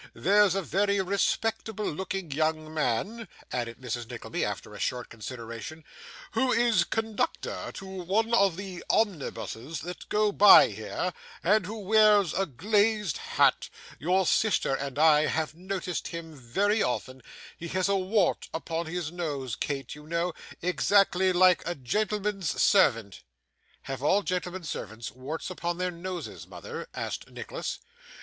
There's a very respectable looking young man,' added Mrs. Nickleby, after a short consideration, 'who is conductor to one of the omnibuses that go by here, and who wears a glazed hat your sister and I have noticed him very often he has a wart upon his nose, Kate, you know, exactly like a gentleman's servant.' 'Have all gentlemen's servants warts upon their noses, mother?' asked Nicholas.